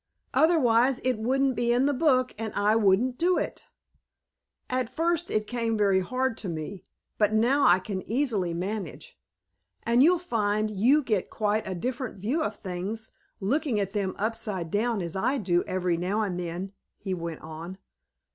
"Otherwise it wouldn't be in the book and I wouldn't do it. At first it came very hard to me, but now I can easily manage. And you'll find you get quite a different view of things, looking at them upside down as I do every now and then," he went on.